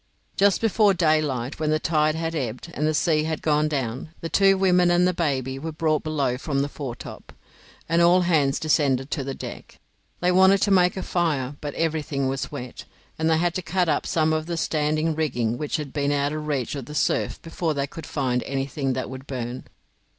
Just before daylight, when the tide had ebbed, and the sea had gone down, the two women and the baby were brought below from the foretop, and all hands descended to the deck. They wanted to make a fire, but everything was wet, and they had to cut up some of the standing rigging which had been out of reach of the surf before they could find anything that would burn.